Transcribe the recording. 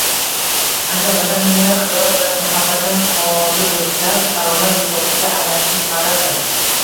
Agar Vatan – himoya, adolat va muhabbatdan xoli bo‘lsa, fuqarolar musofirga aylanishi muqarrardir.